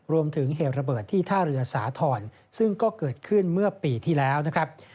รวมถึงเฮลระเบิร์ตที่ท่าเรือสาธอนซึ่งก็เกิดขึ้นเมื่อปีที่แล้วนะครับ